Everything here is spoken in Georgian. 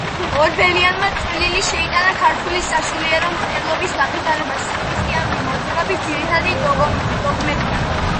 ორბელიანმა წვლილი შეიტანა ქართული სასულიერო მწერლობის განვითარებაშიც. ქრისტიანული მოძღვრების ძირითადი დოგმებია